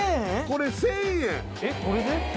これ１０００円えっこれで？